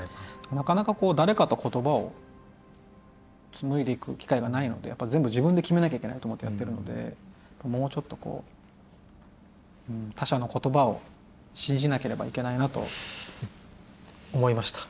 なかなか誰かと言葉を紡いでいく機会がないのでやっぱ全部自分で決めなきゃいけないと思ってやってるのでもうちょっとこう他者の言葉を信じなければいけないなと思いました。